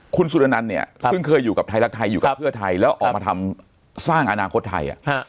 คุณสุรนันต์เนี่ยเพิ่งเคยอยู่กับไทยรักไทยอยู่กับเพื่อไทยแล้วออกมาทำสร้างอนาคตไทย